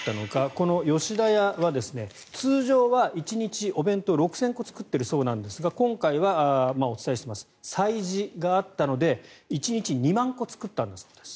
この吉田屋は通常は１日お弁当６０００個作ってるそうですが今回は、お伝えしています催事があったので１日２万個作ったんだそうです。